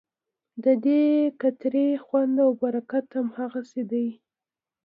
ددې قطرې خوند او برکت هماغسې دی.